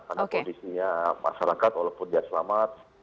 karena kondisinya masyarakat walaupun dia selamat